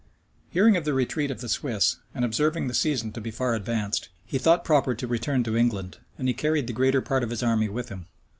Hearing of the retreat of the Swiss, and observing the season to be far advanced, he thought proper to return to England; and he carried the greater part of his army with him.